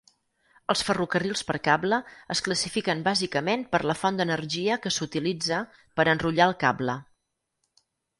Els ferrocarrils per cable es classifiquen bàsicament per la font d'energia que s'utilitza per enrotllar el cable.